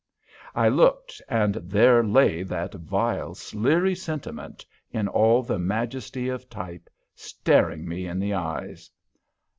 I looked, and there lay that vile Sleary sentiment, in all the majesty of type, staring me in the eyes.